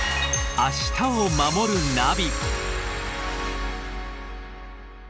「明日をまもるナビ」